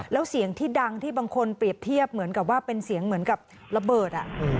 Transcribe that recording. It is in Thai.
แล้วเสียงที่ดังที่บางคนเปรียบเทียบเหมือนกับว่าเป็นเสียงเหมือนกับระเบิด